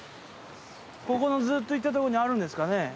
ここのずっと行ったとこにあるんですかね？